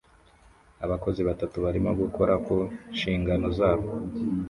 Abakozi batatu barimo gukora ku nshingano zabo